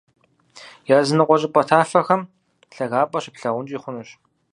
Языныкъуэ щӀыпӀэ тафэхэм лъагапӀэ щыплъагъункӀи хъунущ.